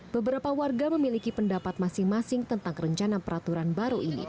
beberapa warga memiliki pendapat masing masing tentang rencana peraturan baru ini